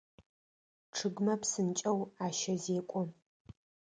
Чъыгмэ псынкӏэу ащэзекӏо.